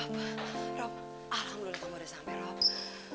rob rob alhamdulillah kamu udah sampe rob